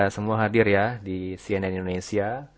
semua hadir ya di cnn indonesia